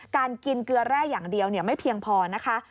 การกินเกลือแร่อย่างเดียวไม่เพียงพอนะคะ